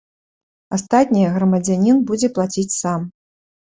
Астатняе грамадзянін будзе плаціць сам.